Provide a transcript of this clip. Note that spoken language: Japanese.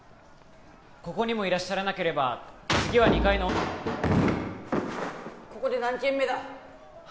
ここにもいらっしゃらなければ次は２階のここで何軒目だ？